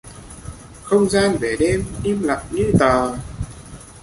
Không gian về đêm im lặng như tờ